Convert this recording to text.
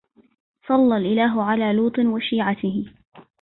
صلى الإله على لوط وشيعته